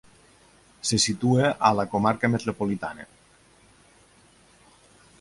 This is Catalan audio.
Se situa en la comarca Metropolitana.